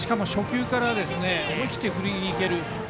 しかも初球から思い切って振りにいける。